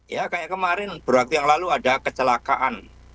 ya seperti kemarin berwaktu yang lalu ada kecelakaan